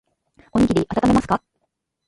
おにぎりあたためますか。